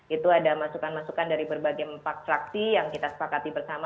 itu ada masukan masukan dari berbagai empat fraksi yang kita sepakati bersama